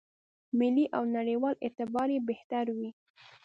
ملي او نړېوال اعتبار یې بهتر وي.